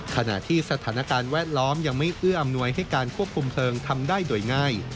ขณะที่สถานการณ์แวดล้อมยังไม่เอื้ออำนวยให้การควบคุมเพลิงทำได้โดยง่าย